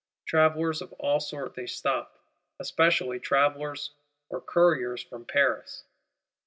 Travellers of all sorts they stop; especially travellers or couriers from Paris.